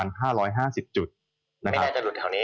ไม่แน่จะหลุดแถวนี้